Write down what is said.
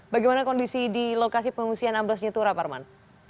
bagaimana kondisi di lokasi pengungsian amblesnya turap arman